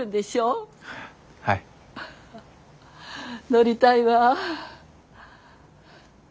乗りたいわ。